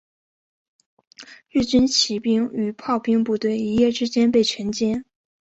日军骑兵与炮兵部队一夜之间被全歼。